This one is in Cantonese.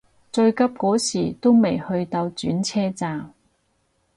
最急嗰時都未去到轉車站